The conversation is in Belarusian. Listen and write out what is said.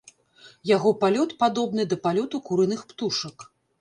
Яго палёт падобны да палёту курыных птушак.